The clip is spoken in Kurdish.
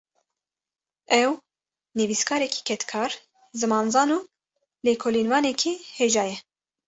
Ew, nivîskarekî kedkar, zimanzan û lêkolînvanekî hêja ye